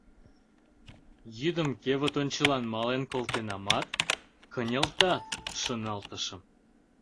«Йӱдым кевыт ончылан мален колтенамат, кынелтат», — шоналтышым.